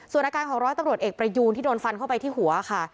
ส่วนอาการของร้อยตำรวจเอกประยูนที่โดนฟันเข้าไปที่หัวค่ะ